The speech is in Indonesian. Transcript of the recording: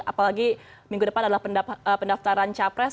apalagi minggu depan adalah pendaftaran capres